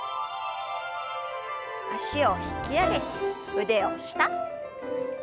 脚を引き上げて腕を下。